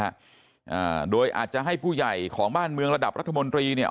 อ่าโดยอาจจะให้ผู้ใหญ่ของบ้านเมืองระดับรัฐมนตรีเนี่ย